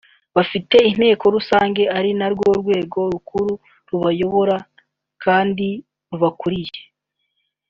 "Bafite inteko rusange ari narwo rwego rukuru ruyobora kandi rubakuriye